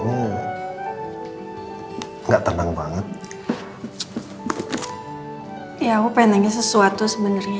soalnya kita kan udah lama gak pernah ngeliat kayak gini